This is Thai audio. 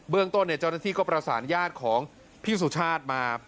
เรื่องต้นเจ้าหน้าที่ก็ประสานญาติของพี่สุชาติมา